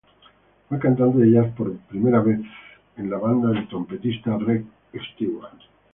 Fue cantante de Jazz por vez primera en la banda del trompetista Rex Stewart.